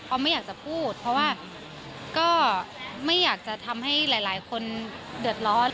ไม่อยากจะพูดเพราะว่าก็ไม่อยากจะทำให้หลายคนเดือดร้อน